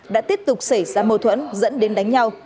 đã tiếp tục xảy ra mâu thuẫn dẫn đến đánh nhau